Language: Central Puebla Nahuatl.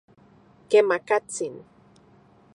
Kemakatsin.